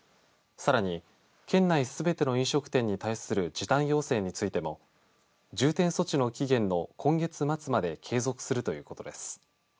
さらに県内すべての飲食店に対する時短要請についても重点措置の期限の今月末まで継続するということです。